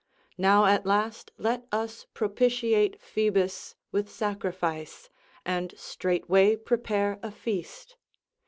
Now at last let us propitiate Phoebus with sacrifice and straightway prepare a feast.